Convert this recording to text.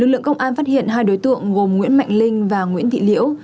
lực lượng công an phát hiện hai đối tượng gồm nguyễn mạnh linh và nguyễn thị liễu